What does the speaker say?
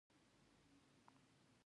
جانداد د نیکو فکرونو زېرمه ده.